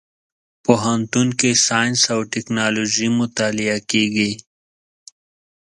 پوهنتون کې ساينس او ټکنالوژي مطالعه کېږي.